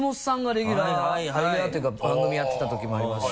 レギュラーというか番組やってたときもありますし。